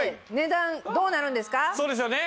そうですよね。